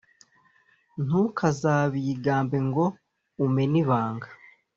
Ntukazabigambe ngo umene ibanga”.